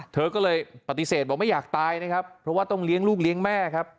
เธอก็เลยปฏิเสธบอกไม่อยากตายนะครับเพราะว่าต้องเลี้ยงลูกเลี้ยงแม่ครับ